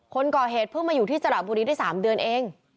คนก่อเหตุเพิ่งมาอยู่ที่สระบุรีได้๓เดือนเอง